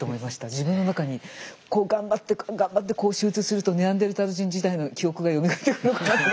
自分の中にこう頑張って頑張ってこう集中するとネアンデルタール人時代の記憶がよみがえってくるのかな。